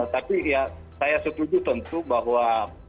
tapi ya saya setuju tentu bahwa